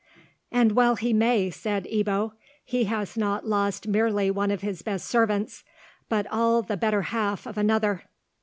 "And well he may," said Ebbo. "He has not lost merely one of his best servants, but all the better half of another."